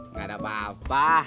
enggak ada apa apa